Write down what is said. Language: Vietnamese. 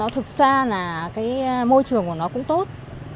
thực ra là môi trường của nó cũng tốt